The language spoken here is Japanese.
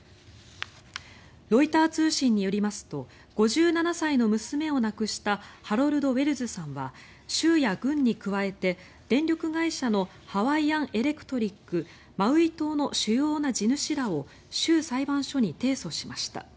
ロイター通信によりますと５７歳の娘を亡くしたハロルド・ウェルズさんは州や郡に加えて電力会社のハワイアン・エレクトリックマウイ島の主要な地主らを州裁判所に提訴しました。